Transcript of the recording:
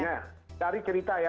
nah dari cerita ya